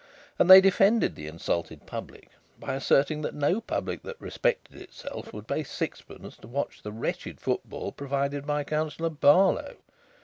And they defended the insulted public by asserting that no public that respected itself would pay sixpence to watch the wretched football provided by Councillor Barlow.